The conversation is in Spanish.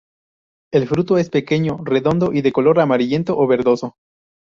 El fruto es pequeño, redondo y de color amarillento o verdoso.